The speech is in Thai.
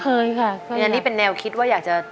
คุณยายแดงคะทำไมต้องซื้อลำโพงและเครื่องเสียง